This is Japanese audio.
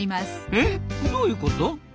えっどういうこと？